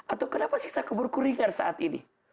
atau kenapa siksa kuburku ringan saat ini